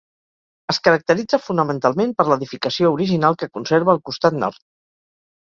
Es caracteritza fonamentalment per l'edificació original que conserva el costat nord.